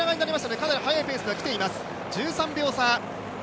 かなり速いペースできています。